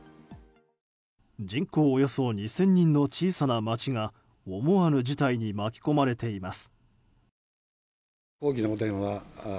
人口およそ２０００人の小さな町が思わぬ事態に巻き込まれています。